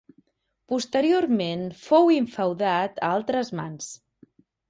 Posteriorment fou infeudat a altres mans.